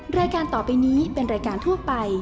รายการต่อไปนี้เป็นรายการทั่วไป